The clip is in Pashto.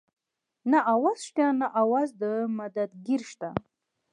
نه اواز شته نه اواز د مدد ګير شته